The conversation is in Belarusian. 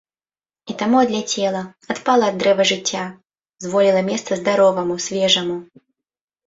І таму адляцела, адпала ад дрэва жыцця, зволіла месца здароваму, свежаму.